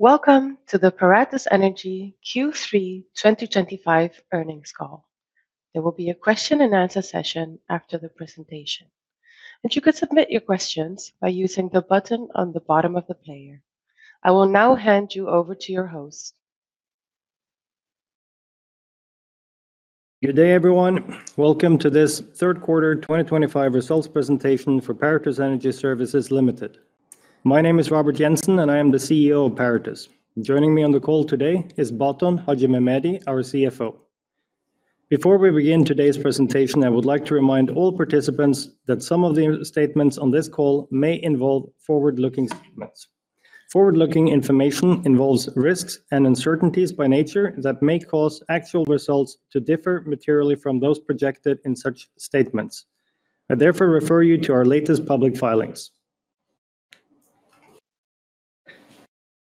Welcome to the Paratus Energy Q3 2025 earnings call. There will be a question-and-answer session after the presentation, and you can submit your questions by using the button on the bottom of the player. I will now hand you over to your host. Good day, everyone. Welcome to this third quarter 2025 results presentation for Paratus Energy Services Limited. My name is Robert Jensen, and I am the CEO of Paratus. Joining me on the call today is Baton Haxhimehmedi, our CFO. Before we begin today's presentation, I would like to remind all participants that some of the statements on this call may involve forward-looking statements. Forward-looking information involves risks and uncertainties by nature that may cause actual results to differ materially from those projected in such statements. I therefore refer you to our latest public filings.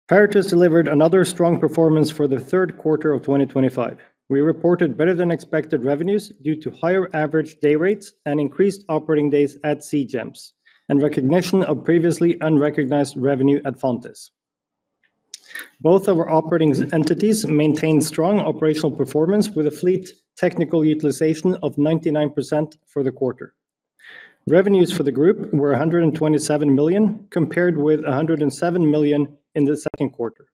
Paratus delivered another strong performance for the third quarter of 2025. We reported better-than-expected revenues due to higher average day rates and increased operating days at Seagems, and recognition of previously unrecognized revenue at Fontis. Both of our operating entities maintained strong operational performance with a fleet technical utilization of 99% for the quarter. Revenues for the group were $127 million, compared with $107 million in the second quarter.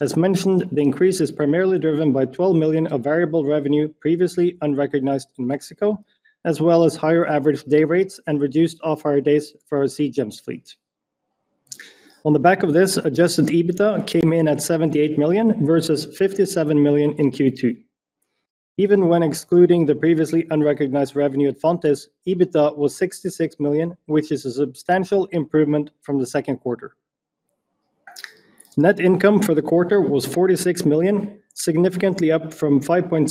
As mentioned, the increase is primarily driven by $12 million of variable revenue previously unrecognized in Mexico, as well as higher average day rates and reduced off-hire days for our Seagems fleet. On the back of this, adjusted EBITDA came in at $78 million versus $57 million in Q2. Even when excluding the previously unrecognized revenue at Fontis, EBITDA was $66 million, which is a substantial improvement from the second quarter. Net income for the quarter was $46 million, significantly up from $5.6 million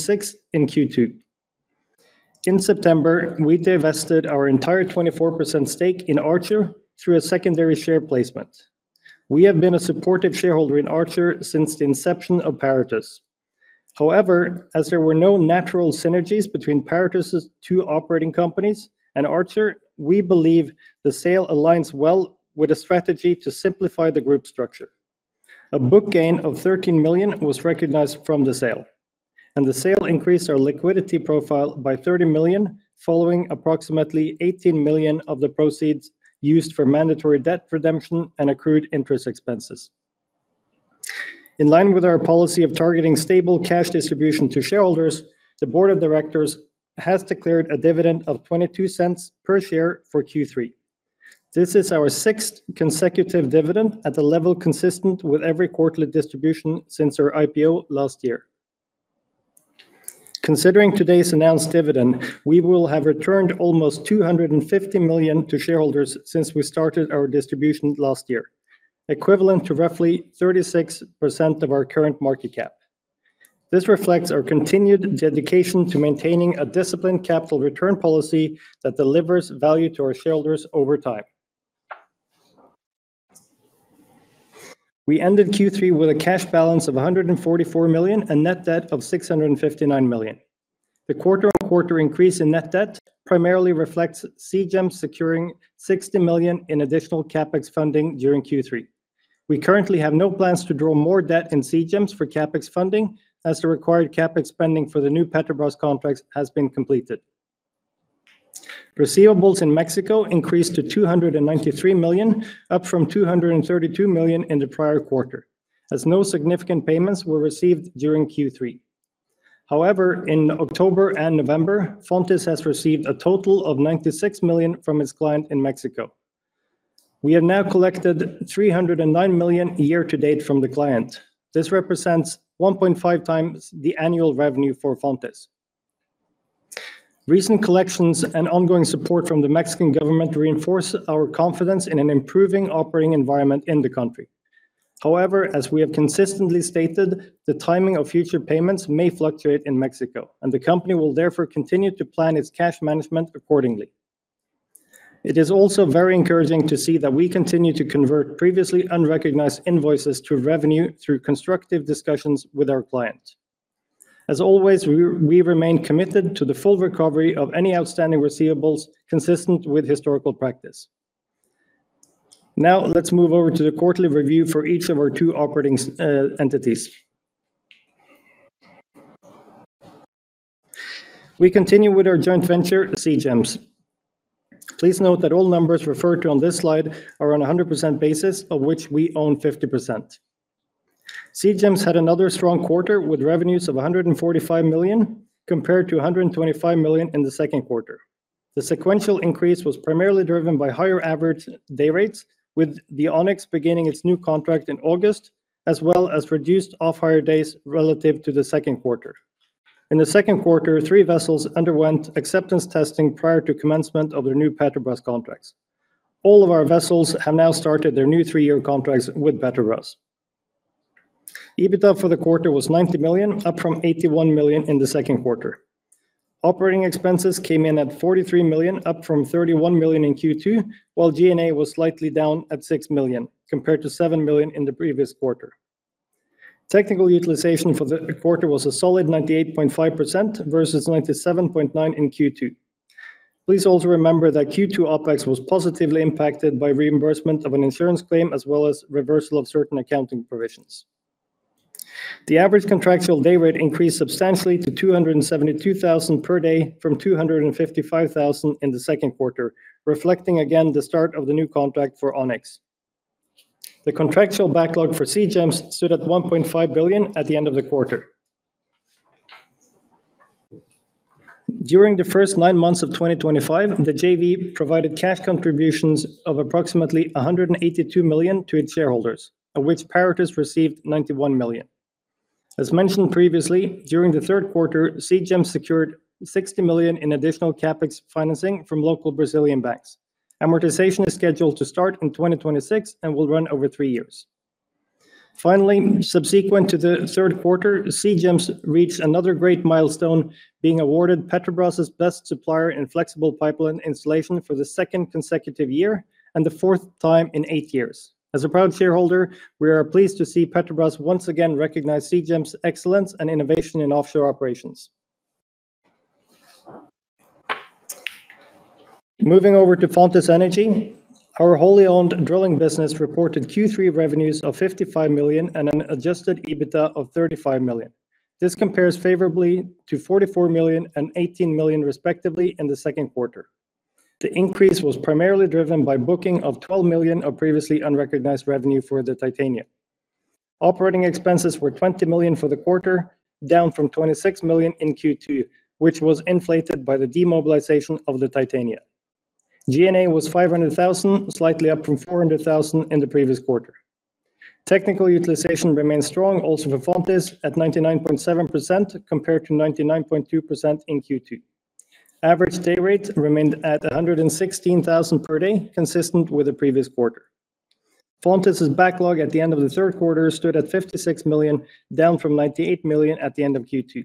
in Q2. In September, we divested our entire 24% stake in Archer through a secondary share placement. We have been a supportive shareholder in Archer since the inception of Paratus. However, as there were no natural synergies between Paratus's two operating companies and Archer, we believe the sale aligns well with a strategy to simplify the group structure. A book gain of $13 million was recognized from the sale, and the sale increased our liquidity profile by $30 million, following approximately $18 million of the proceeds used for mandatory debt redemption and accrued interest expenses. In line with our policy of targeting stable cash distribution to shareholders, the board of directors has declared a dividend of $0.22 per share for Q3. This is our sixth consecutive dividend at the level consistent with every quarterly distribution since our IPO last year. Considering today's announced dividend, we will have returned almost $250 million to shareholders since we started our distribution last year, equivalent to roughly 36% of our current market cap. This reflects our continued dedication to maintaining a disciplined capital return policy that delivers value to our shareholders over time. We ended Q3 with a cash balance of $144 million and net debt of $659 million. The quarter-on-quarter increase in net debt primarily reflects Seagems securing $60 million in additional CapEx funding during Q3. We currently have no plans to draw more debt in Seagems for CapEx funding, as the required CapEx spending for the new Petrobras contracts has been completed. Receivables in Mexico increased to $293 million, up from $232 million in the prior quarter, as no significant payments were received during Q3. However, in October and November, Fontis has received a total of $96 million from its client in Mexico. We have now collected $309 million year-to-date from the client. This represents 1.5 times the annual revenue for Fontis. Recent collections and ongoing support from the Mexican government reinforce our confidence in an improving operating environment in the country. However, as we have consistently stated, the timing of future payments may fluctuate in Mexico, and the company will therefore continue to plan its cash management accordingly. It is also very encouraging to see that we continue to convert previously unrecognized invoices to revenue through constructive discussions with our client. As always, we remain committed to the full recovery of any outstanding receivables consistent with historical practice. Now, let's move over to the quarterly review for each of our two operating entities. We continue with our joint venture, Seagems. Please note that all numbers referred to on this slide are on a 100% basis, of which we own 50%. Seagems had another strong quarter with revenues of $145 million, compared to $125 million in the second quarter. The sequential increase was primarily driven by higher average day rates, with the Ônix beginning its new contract in August, as well as reduced off-hire days relative to the second quarter. In the second quarter, three vessels underwent acceptance testing prior to commencement of their new Petrobras contracts. All of our vessels have now started their new three-year contracts with Petrobras. EBITDA for the quarter was $90 million, up from $81 million in the second quarter. Operating expenses came in at $43 million, up from $31 million in Q2, while G&A was slightly down at $6 million, compared to $7 million in the previous quarter. Technical utilization for the quarter was a solid 98.5% versus 97.9% in Q2. Please also remember that Q2 OpEx was positively impacted by reimbursement of an insurance claim, as well as reversal of certain accounting provisions. The average contractual day rate increased substantially to $272,000 per day from $255,000 in the second quarter, reflecting again the start of the new contract for Ônix. The contractual backlog for Seagems stood at $1.5 billion at the end of the quarter. During the first nine months of 2025, the JV provided cash contributions of approximately $182 million to its shareholders, of which Paratus received $91 million. As mentioned previously, during the third quarter, Seagems secured $60 million in additional CapEx financing from local Brazilian banks. Amortization is scheduled to start in 2026 and will run over three years. Finally, subsequent to the third quarter, Seagems reached another great milestone, being awarded Petrobras's best supplier in flexible pipeline installation for the second consecutive year and the fourth time in eight years. As a proud shareholder, we are pleased to see Petrobras once again recognize Seagems' excellence and innovation in offshore operations. Moving over to Fontis Energy, our wholly owned drilling business reported Q3 revenues of $55 million and an adjusted EBITDA of $35 million. This compares favorably to $44 million and $18 million, respectively, in the second quarter. The increase was primarily driven by booking of $12 million of previously unrecognized revenue for the Titania. Operating expenses were $20 million for the quarter, down from $26 million in Q2, which was inflated by the demobilization of the Titania. G&A was $500,000, slightly up from $400,000 in the previous quarter. Technical utilization remained strong, also for Fontis, at 99.7% compared to 99.2% in Q2. Average day rates remained at $116,000 per day, consistent with the previous quarter. Fontis's backlog at the end of the third quarter stood at $56 million, down from $98 million at the end of Q2.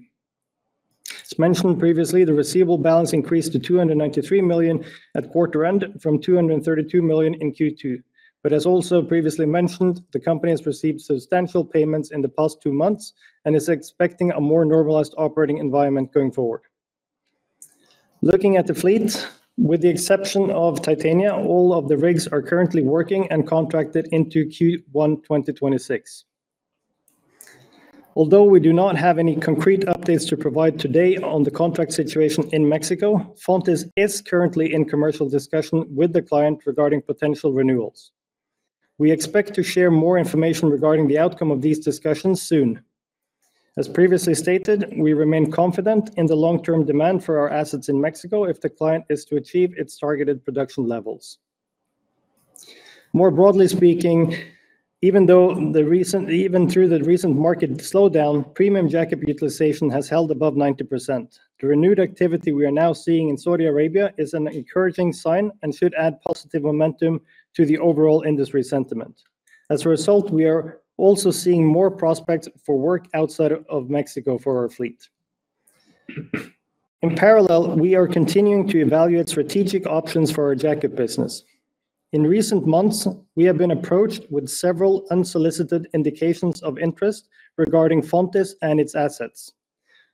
As mentioned previously, the receivable balance increased to $293 million at quarter-end from $232 million in Q2. As also previously mentioned, the company has received substantial payments in the past two months and is expecting a more normalized operating environment going forward. Looking at the fleet, with the exception of Titania, all of the rigs are currently working and contracted into Q1 2026. Although we do not have any concrete updates to provide today on the contract situation in Mexico, Fontis is currently in commercial discussion with the client regarding potential renewals. We expect to share more information regarding the outcome of these discussions soon. As previously stated, we remain confident in the long-term demand for our assets in Mexico if the client is to achieve its targeted production levels. More broadly speaking, even though through the recent market slowdown, premium jack-up utilization has held above 90%. The renewed activity we are now seeing in Saudi Arabia is an encouraging sign and should add positive momentum to the overall industry sentiment. As a result, we are also seeing more prospects for work outside of Mexico for our fleet. In parallel, we are continuing to evaluate strategic options for our jack-up business. In recent months, we have been approached with several unsolicited indications of interest regarding Fontis and its assets.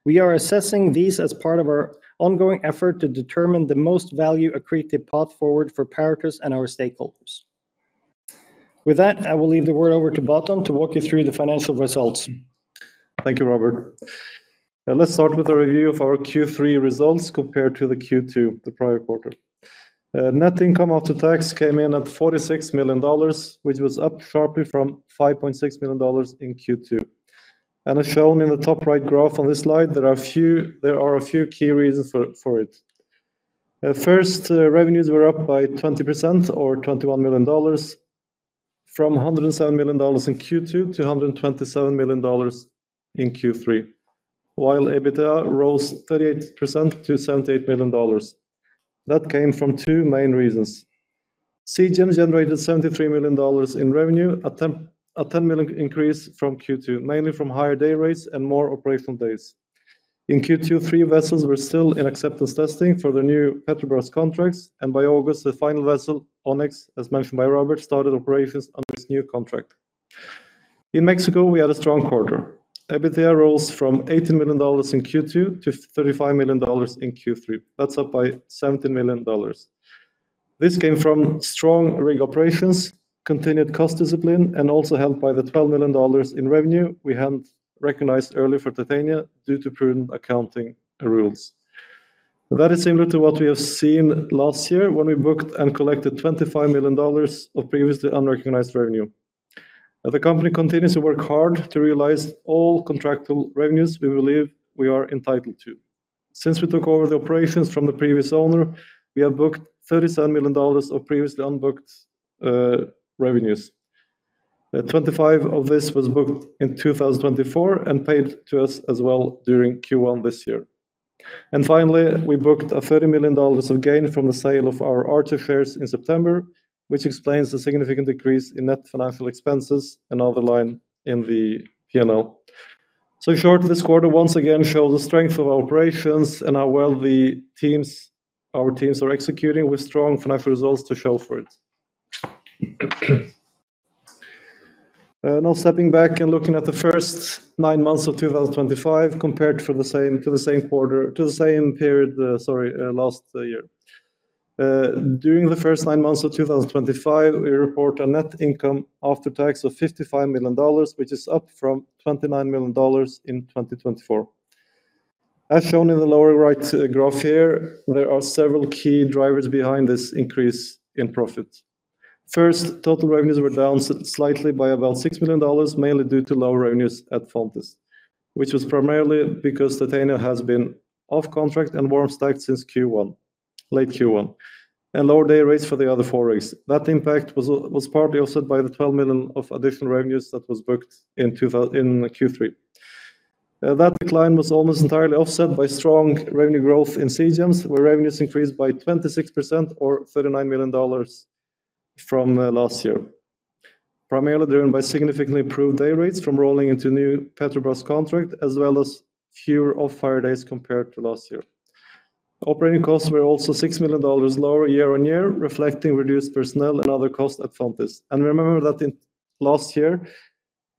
We are assessing these as part of our ongoing effort to determine the most value-accretive path forward for Paratus and our stakeholders. With that, I will leave the word over to Baton to walk you through the financial results. Thank you, Robert. Let's start with a review of our Q3 results compared to Q2, the prior quarter. Net income after tax came in at $46 million, which was up sharply from $5.6 million in Q2. As shown in the top right graph on this slide, there are a few key reasons for it. First, revenues were up by 20%, or $21 million, from $107 million in Q2 to $127 million in Q3, while EBITDA rose 38% to $78 million. That came from two main reasons. Seagems generated $73 million in revenue, a $10 million increase from Q2, mainly from higher day rates and more operational days. In Q2, three vessels were still in acceptance testing for the new Petrobras contracts, and by August, the final vessel, Ônix, as mentioned by Robert, started operations under its new contract. In Mexico, we had a strong quarter. EBITDA rose from $18 million in Q2 to $35 million in Q3. That's up by $17 million. This came from strong rig operations, continued cost discipline, and also helped by the $12 million in revenue we hadn't recognized earlier for Titania due to prudent accounting rules. That is similar to what we have seen last year when we booked and collected $25 million of previously unrecognized revenue. The company continues to work hard to realize all contractual revenues we believe we are entitled to. Since we took over the operations from the previous owner, we have booked $37 million of previously unbooked revenues. $25 million of this was booked in 2024 and paid to us as well during Q1 this year. Finally, we booked $30 million of gain from the sale of our Archer shares in September, which explains the significant decrease in net financial expenses and other line in the P&L. This quarter once again shows the strength of our operations and how well our teams are executing with strong financial results to show for it. Now, stepping back and looking at the first nine months of 2025 compared to the same period last year. During the first nine months of 2025, we report a net income after tax of $55 million, which is up from $29 million in 2024. As shown in the lower right graph here, there are several key drivers behind this increase in profit. First, total revenues were down slightly by about $6 million, mainly due to lower revenues at Fontis, which was primarily because Titania has been off contract and warm-stacked since Q1, late Q1, and lower day rates for the other four rigs. That impact was partly offset by the $12 million of additional revenues that was booked in Q3. That decline was almost entirely offset by strong revenue growth in Seagems, where revenues increased by 26%, or $39 million from last year, primarily driven by significantly improved day rates from rolling into new Petrobras contracts, as well as fewer off-hire days compared to last year. Operating costs were also $6 million lower year on year, reflecting reduced personnel and other costs at Fontis. Remember that last year,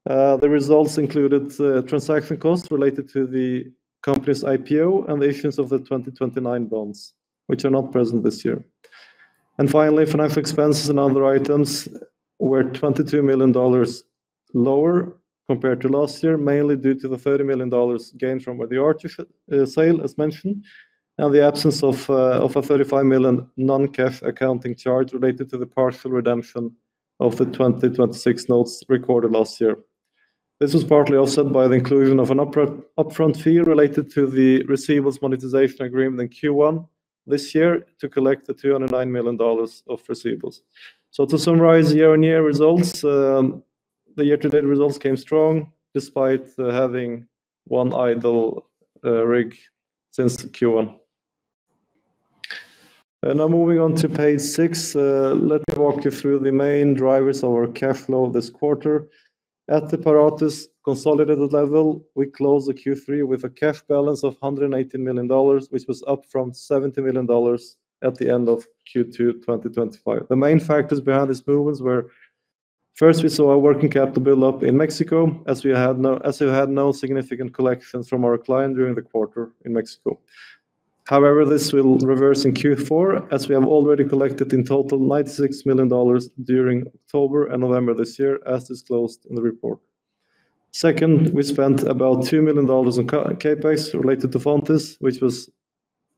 the results included transaction costs related to the company's IPO and the issuance of the 2029 bonds, which are not present this year. Finally, financial expenses and other items were $22 million lower compared to last year, mainly due to the $30 million gain from the Archer sale, as mentioned, and the absence of a $35 million non-cash accounting charge related to the partial redemption of the 2026 notes recorded last year. This was partly offset by the inclusion of an upfront fee related to the receivables monetization agreement in Q1 this year to collect the $209 million of receivables. To summarize year-on-year results, the year-to-date results came strong despite having one idle rig since Q1. Now, moving on to page six, let me walk you through the main drivers of our cash flow this quarter. At the Paratus consolidated level, we closed the Q3 with a cash balance of $118 million, which was up from $70 million at the end of Q2 2025. The main factors behind these movements were, first, we saw our working capital build-up in Mexico, as we had no significant collections from our client during the quarter in Mexico. However, this will reverse in Q4, as we have already collected in total $96 million during October and November this year, as disclosed in the report. Second, we spent about $2 million in CapEx related to Fontis, which was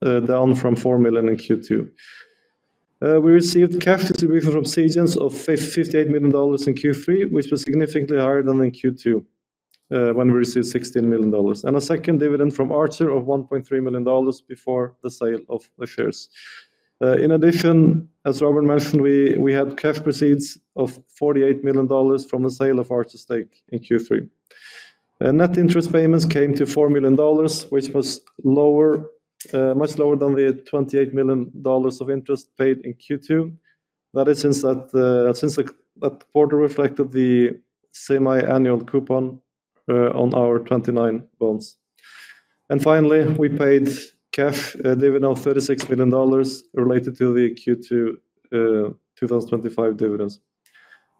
down from $4 million in Q2. We received cash distribution from Seagems of $58 million in Q3, which was significantly higher than in Q2 when we received $16 million. A second dividend from Archer of $1.3 million before the sale of the shares. In addition, as Robert mentioned, we had cash proceeds of $48 million from the sale of Archer's stake in Q3. Net interest payments came to $4 million, which was much lower than the $28 million of interest paid in Q2. That is since that quarter reflected the semi-annual coupon on our 2029 bonds. Finally, we paid cash dividend of $36 million related to the Q2 2025 dividends.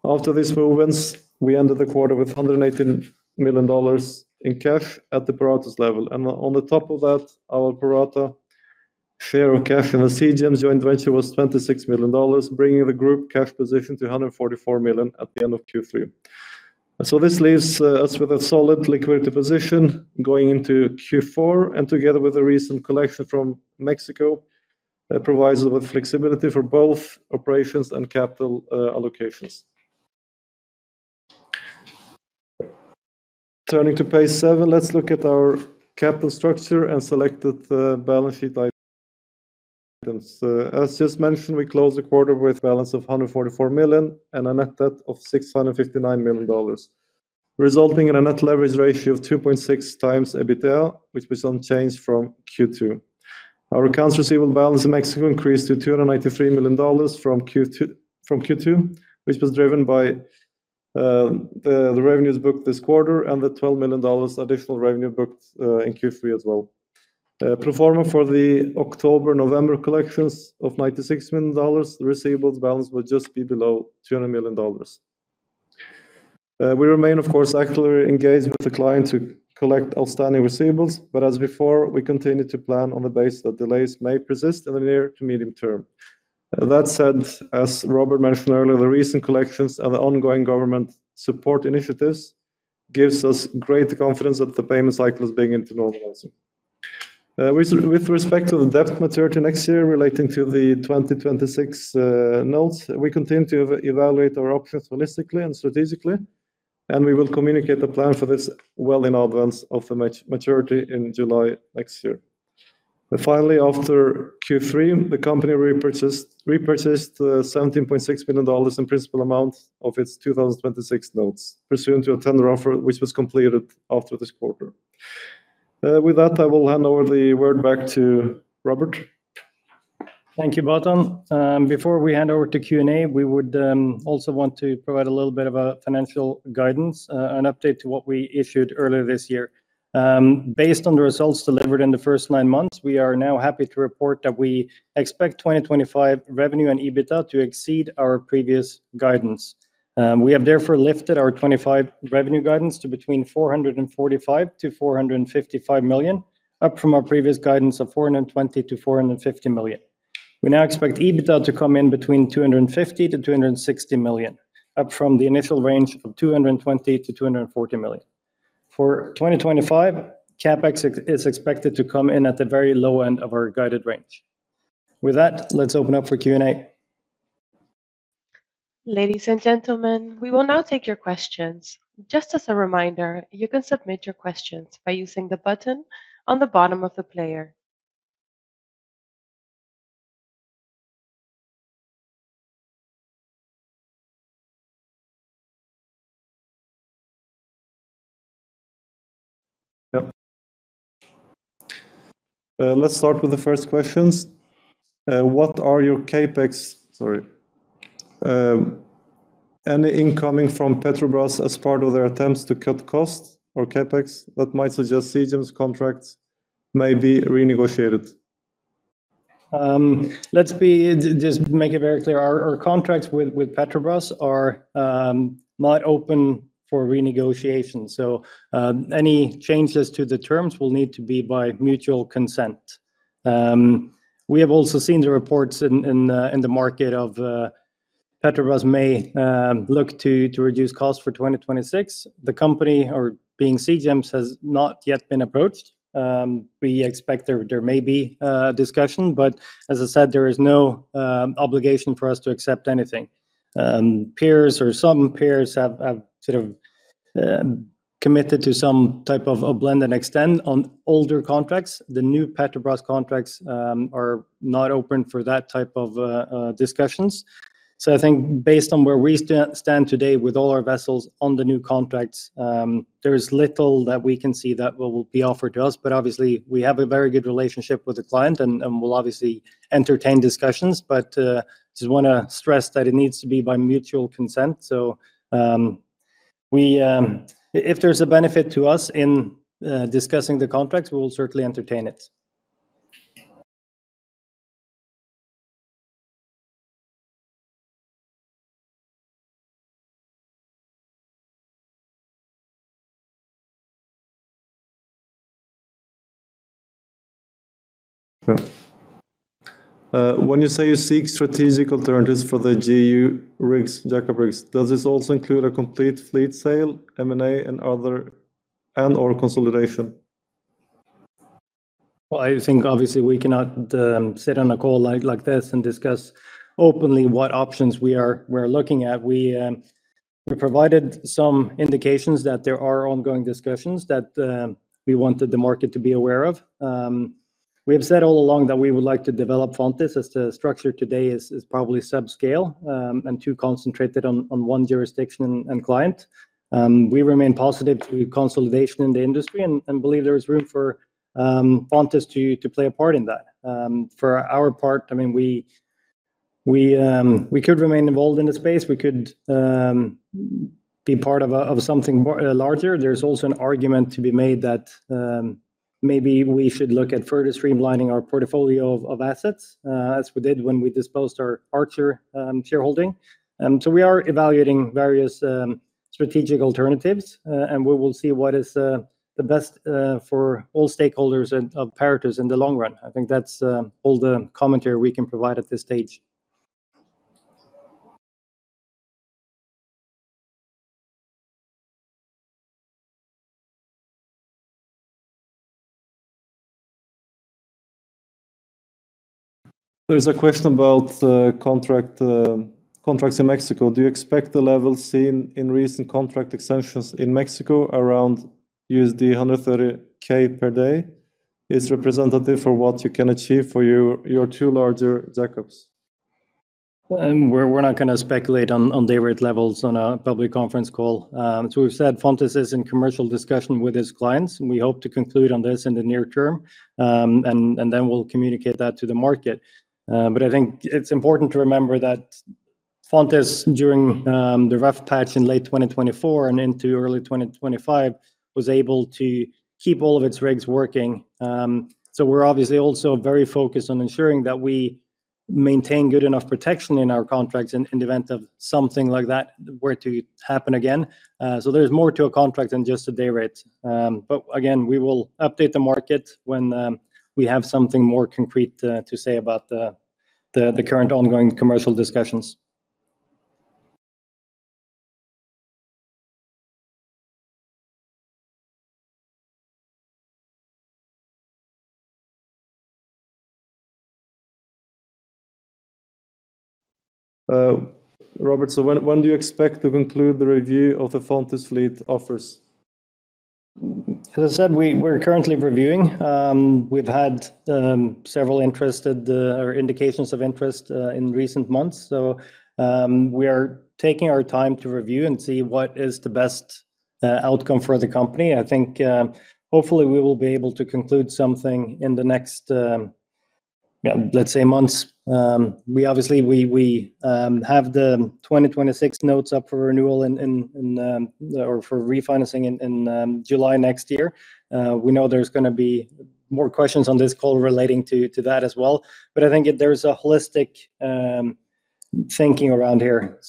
After these movements, we ended the quarter with $118 million in cash at the Paratus level. On top of that, our Paratus share of cash in the Seagems joint venture was $26 million, bringing the group cash position to $144 million at the end of Q3. This leaves us with a solid liquidity position going into Q4, and together with the recent collection from Mexico, that provides us with flexibility for both operations and capital allocations. Turning to page seven, let's look at our capital structure and selected balance sheet items. As just mentioned, we closed the quarter with a balance of $144 million and a net debt of $659 million, resulting in a net leverage ratio of 2.6x EBITDA, which was unchanged from Q2. Our accounts receivable balance in Mexico increased to $293 million from Q2, which was driven by the revenues booked this quarter and the $12 million additional revenue booked in Q3 as well. Pro forma for the October-November collections of $96 million, the receivables balance would just be below $200 million. We remain, of course, actively engaged with the client to collect outstanding receivables, but as before, we continue to plan on the basis that delays may persist in the near to medium term. That said, as Robert mentioned earlier, the recent collections and the ongoing government support initiatives give us great confidence that the payment cycle is beginning to normalize. With respect to the debt maturity next year relating to the 2026 notes, we continue to evaluate our options holistically and strategically, and we will communicate the plan for this well in advance of the maturity in July next year. Finally, after Q3, the company repurchased $17.6 million in principal amount of its 2026 notes, pursuant to a tender offer which was completed after this quarter. With that, I will hand over the word back to Robert. Thank you, Baton. Before we hand over to Q&A, we would also want to provide a little bit of financial guidance, an update to what we issued earlier this year. Based on the results delivered in the first nine months, we are now happy to report that we expect 2025 revenue and EBITDA to exceed our previous guidance. We have therefore lifted our 2025 revenue guidance to between $445 million-$455 million, up from our previous guidance of $420 million-$450 million. We now expect EBITDA to come in between $250 million-$260 million, up from the initial range of $220 million-$240 million. For 2025, CapEx is expected to come in at the very low end of our guided range. With that, let's open up for Q&A. Ladies and gentlemen, we will now take your questions. Just as a reminder, you can submit your questions by using the button on the bottom of the player. Yep. Let's start with the first questions. What are your CapEx? Sorry. Any incoming from Petrobras as part of their attempts to cut costs or CapEx that might suggest Seagems contracts may be renegotiated? Let's just make it very clear. Our contracts with Petrobras are not open for renegotiation. Any changes to the terms will need to be by mutual consent. We have also seen the reports in the market that Petrobras may look to reduce costs for 2026. The company, being Seagems, has not yet been approached. We expect there may be a discussion, but as I said, there is no obligation for us to accept anything. Peers or some peers have sort of committed to some type of blended extent on older contracts. The new Petrobras contracts are not open for that type of discussions. I think based on where we stand today with all our vessels on the new contracts, there is little that we can see that will be offered to us. Obviously, we have a very good relationship with the client and will obviously entertain discussions, but I just want to stress that it needs to be by mutual consent. If there's a benefit to us in discussing the contracts, we will certainly entertain it. When you say you seek strategic alternatives for the jack-up rigs, does this also include a complete fleet sale, M&A, and/or consolidation? I think obviously we cannot sit on a call like this and discuss openly what options we are looking at. We provided some indications that there are ongoing discussions that we wanted the market to be aware of. We have said all along that we would like to develop Fontis as the structure today is probably subscale and too concentrated on one jurisdiction and client. We remain positive to consolidation in the industry and believe there is room for Fontis to play a part in that. For our part, I mean, we could remain involved in the space. We could be part of something larger. There's also an argument to be made that maybe we should look at further streamlining our portfolio of assets as we did when we disposed of our Archer shareholding. We are evaluating various strategic alternatives, and we will see what is the best for all stakeholders of Paratus in the long run. I think that's all the commentary we can provide at this stage. There's a question about contracts in Mexico. Do you expect the levels seen in recent contract extensions in Mexico around $130,000 per day? Is it representative for what you can achieve for your two larger jack-ups? We're not going to speculate on day rate levels on a public conference call. We've said Fontis is in commercial discussion with its clients. We hope to conclude on this in the near term, and then we'll communicate that to the market. I think it's important to remember that Fontis, during the rough patch in late 2024 and into early 2025, was able to keep all of its rigs working. We're obviously also very focused on ensuring that we maintain good enough protection in our contracts in the event something like that were to happen again. There's more to a contract than just a day rate. We will update the market when we have something more concrete to say about the current ongoing commercial discussions. Robert, when do you expect to conclude the review of the Fontis fleet offers? As I said, we're currently reviewing. We've had several indications of interest in recent months. We are taking our time to review and see what is the best outcome for the company. I think hopefully we will be able to conclude something in the next, let's say, months. Obviously, we have the 2026 notes up for renewal or for refinancing in July next year. We know there's going to be more questions on this call relating to that as well. I think there's a holistic thinking around here.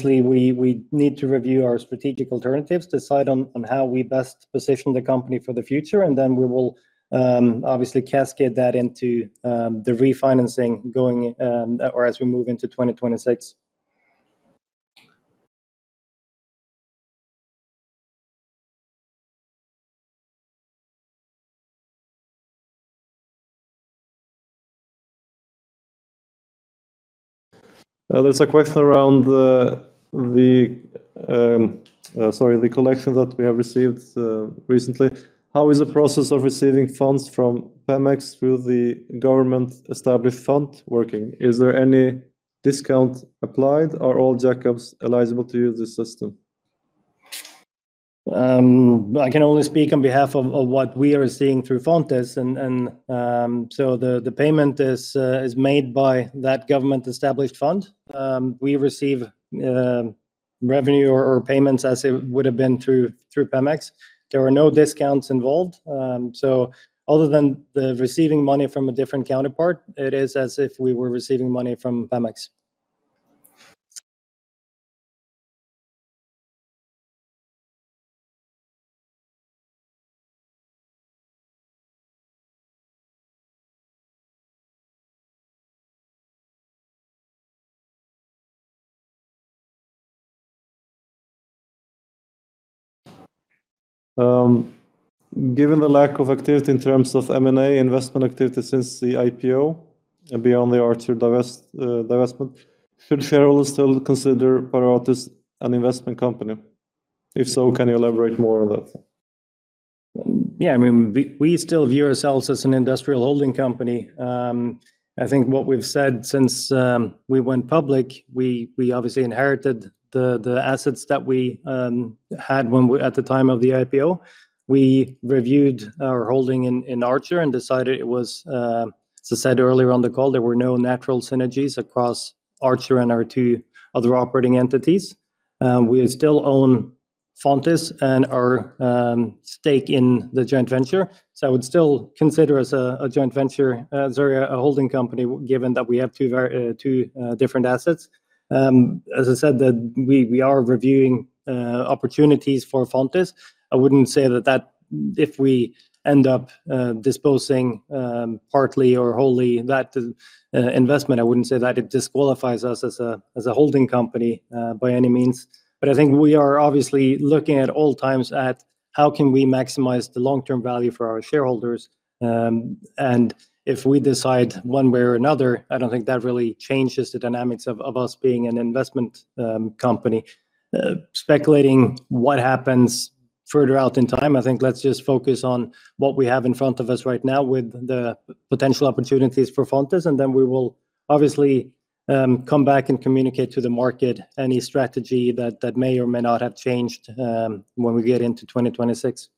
We need to review our strategic alternatives, decide on how we best position the company for the future, and then we will obviously cascade that into the refinancing or as we move into 2026. There's a question around the collection that we have received recently. How is the process of receiving funds from Pemex through the government-established fund working? Is there any discount applied, or are all jack-ups eligible to use the system? I can only speak on behalf of what we are seeing through Fontis. The payment is made by that government-established fund. We receive revenue or payments as it would have been through Pemex. There are no discounts involved. Other than receiving money from a different counterpart, it is as if we were receiving money from Pemex. Given the lack of activity in terms of M&A investment activity since the IPO and beyond the Archer divestment, should shareholders still consider Paratus an investment company? If so, can you elaborate more on that? Yeah. I mean, we still view ourselves as an industrial holding company. I think what we've said since we went public, we obviously inherited the assets that we had at the time of the IPO. We reviewed our holding in Archer and decided it was, as I said earlier on the call, there were no natural synergies across Archer and our two other operating entities. We still own Fontis and our stake in the joint venture. So I would still consider us a joint venture, a holding company, given that we have two different assets. As I said, we are reviewing opportunities for Fontis. I wouldn't say that if we end up disposing partly or wholly of that investment, I wouldn't say that it disqualifies us as a holding company by any means. I think we are obviously looking at all times at how can we maximize the long-term value for our shareholders. If we decide one way or another, I do not think that really changes the dynamics of us being an investment company. Speculating what happens further out in time, I think let's just focus on what we have in front of us right now with the potential opportunities for Fontis, and then we will obviously come back and communicate to the market any strategy that may or may not have changed when we get into 2026.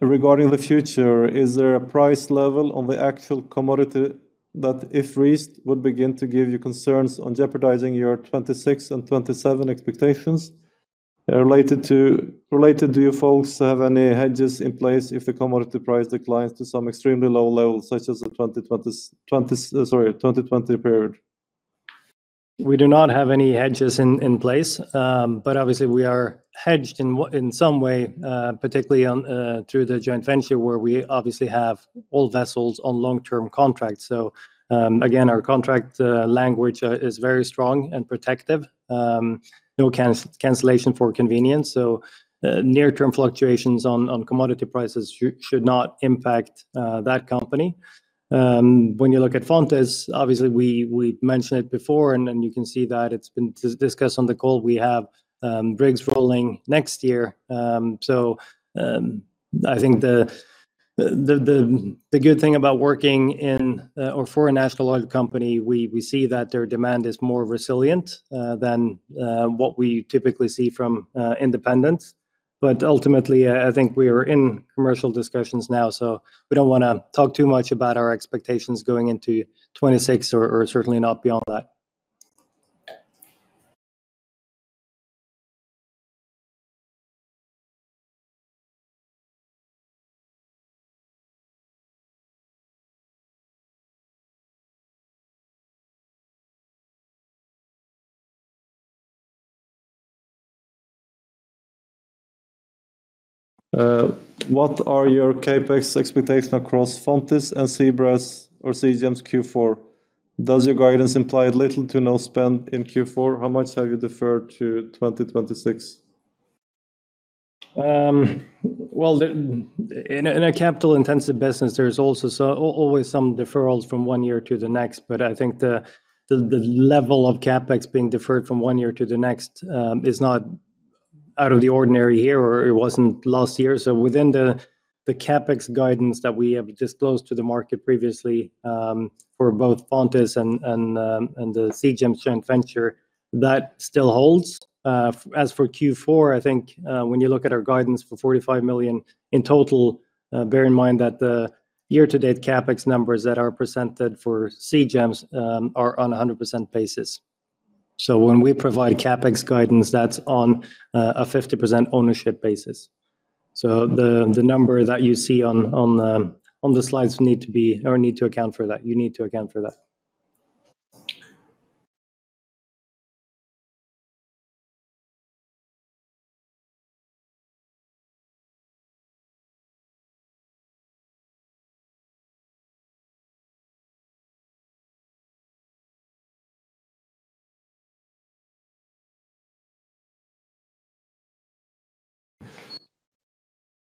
Regarding the future, is there a price level on the actual commodity that, if reached, would begin to give you concerns on jeopardizing your 2026 and '27 expectations? Related to you folks, have any hedges in place if the commodity price declines to some extremely low level, such as the 2020 period? We do not have any hedges in place, but obviously we are hedged in some way, particularly through the joint venture where we obviously have all vessels on long-term contracts. Our contract language is very strong and protective. No cancellation for convenience. Near-term fluctuations on commodity prices should not impact that company. When you look at Fontis, obviously we mentioned it before, and you can see that it's been discussed on the call. We have rigs rolling next year. I think the good thing about working for an astrological company, we see that their demand is more resilient than what we typically see from independents. Ultimately, I think we are in commercial discussions now, so we do not want to talk too much about our expectations going into 2026 or certainly not beyond that. What are your CapEx expectations across Fontis and Seagems Q4? Does your guidance imply little to no spend in Q4? How much have you deferred to 2026? In a capital-intensive business, there's also always some deferrals from one year to the next, but I think the level of CapEx being deferred from one year to the next is not out of the ordinary here or it wasn't last year. Within the CapEx guidance that we have disclosed to the market previously for both Fontis and the Seagems joint venture, that still holds. As for Q4, I think when you look at our guidance for $45 million in total, bear in mind that the year-to-date CapEx numbers that are presented for Seagems are on a 100% basis. When we provide CapEx guidance, that's on a 50% ownership basis. The number that you see on the slides need to be or need to account for that. You need to account for that.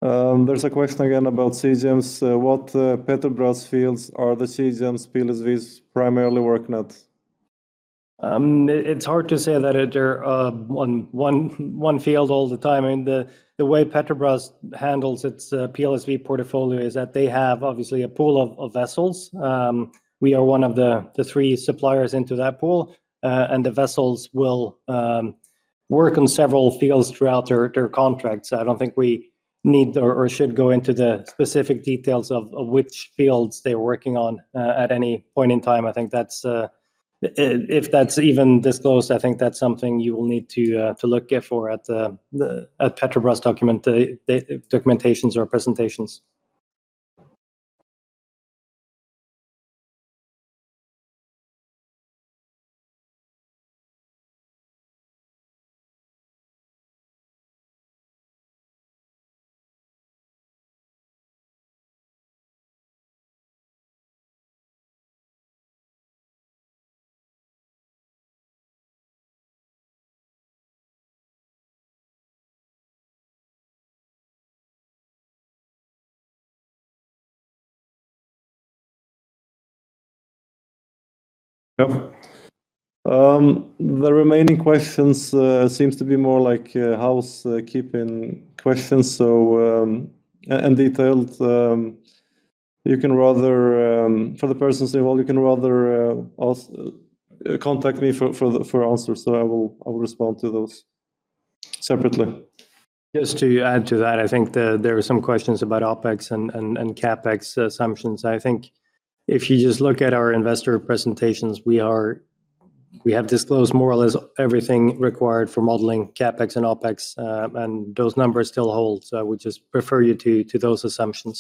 There's a question again about Seagems. What Petrobras fields are the Seagems PLSVs primarily working at? It's hard to say that they're on one field all the time. The way Petrobras handles its PLSV portfolio is that they have obviously a pool of vessels. We are one of the three suppliers into that pool, and the vessels will work on several fields throughout their contracts. I don't think we need or should go into the specific details of which fields they're working on at any point in time. I think if that's even disclosed, I think that's something you will need to look for at Petrobras documentations or presentations. The remaining questions seem to be more like housekeeping questions and detailed. For the persons involved, you can rather contact me for answers, so I will respond to those separately. Just to add to that, I think there were some questions about OpEx and CapEx assumptions. I think if you just look at our investor presentations, we have disclosed more or less everything required for modeling CapEx and OpEx, and those numbers still hold. I would just refer you to those assumptions.